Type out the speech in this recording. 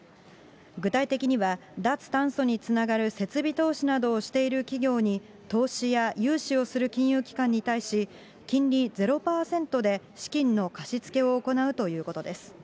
具体的には、脱炭素につながる設備投資などをしている企業に、投資や融資をする金融機関に対し、金利０％で資金の貸し付けを行うということです。